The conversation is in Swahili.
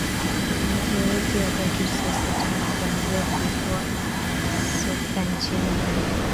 ni wiki ya tatu sasa tangu kuaanza kulikuja soka nchini humo